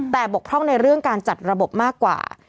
แต่บกพร่องในเรื่องการจัดระบบมากกว่า